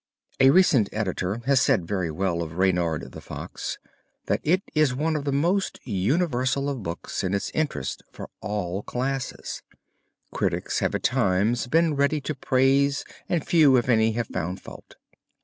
A recent editor has said very well of Reynard the Fox that it is one of the most universal of books in its interest for all classes. Critics have at all times been ready to praise and few if any have found fault.